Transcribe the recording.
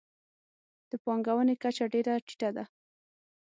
د پانګونې کچه ډېره ټیټه ده.